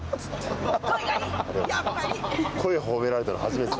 声褒められたの初めて。